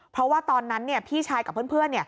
เพราะว่าตอนนั้นพี่ชายกับเพื่อน